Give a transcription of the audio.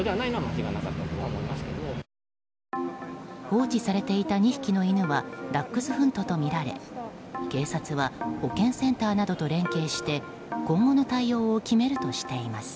放置されていた２匹の犬はダックスフントとみられ警察は保健センターなどと連携して今後の対応を決めるとしています。